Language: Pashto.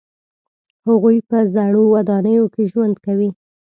هغوی په زړو ودانیو کې ژوند کوي.